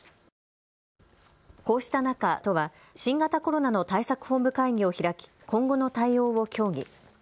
こうした中、都は新型コロナの対策本部会議を開き今後の対応を協議。